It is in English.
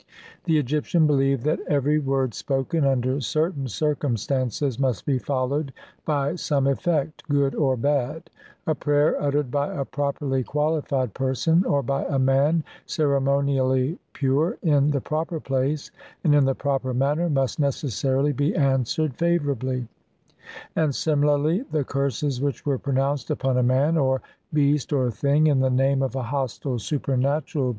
The Egyptian believed that every word spoken under certain circumstances must be followed by some effect, good or bad ; a prayer uttered by a properly qualified person, or by a man ceremonially pure, in the proper place, and in the proper manner, must necessarily be answered favourably ; and similarly the curses which were pronounced upon a man, or beast, or thing, in the name of a hostile supernatural CXLVIII INTRODUCTION.